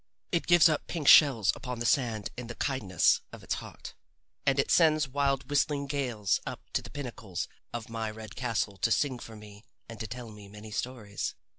It gives up pink shells upon the sand in the kindness of its heart, and it sends wild whistling gales up to the pinnacles of my red castle to sing for me and to tell me many stories.